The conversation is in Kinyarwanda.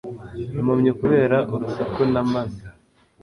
Impumyi kubera urusaku na maze